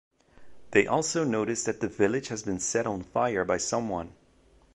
They also notice that the village has been set on fire by someone.